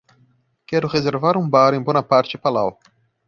Quero reservar um bar em Bonaparte Palau.